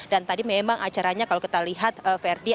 dan tadi memang acaranya kalau kita lihat verdi